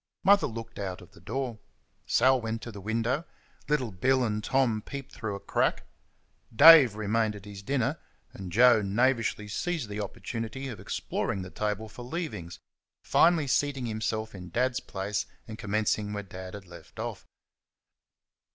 Mother looked out of the door; Sal went to the window; Little Bill and Tom peeped through a crack; Dave remained at his dinner; and Joe knavishly seized the opportunity of exploring the table for leavings, finally seating himself in Dad's place, and commencing where Dad had left off.